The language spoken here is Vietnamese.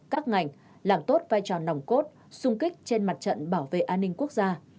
các ngành làm tốt vai trò nòng cốt sung kích trên mặt trận bảo vệ an ninh quốc gia